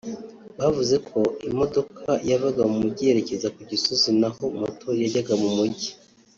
bavuze ko imodoka yavaga mu mujyi yerekeza ku Gisozi naho moto yo yajyaga mu mujyi